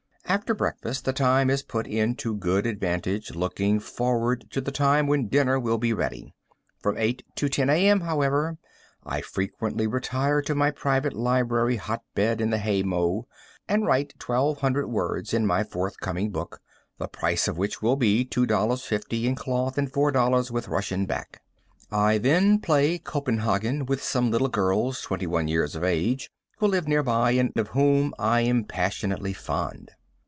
After breakfast the time is put in to good advantage looking forward to the time when dinner will be ready. From 8 to 10 A. M., however, I frequently retire to my private library hot bed in the hay mow, and write 1,200 words in my forthcoming book, the price of which will be $2.50 in cloth and $4 with Russia back. I then play Copenhagen with some little girls 21 years of age, who live near by, and of whom I am passionately fond.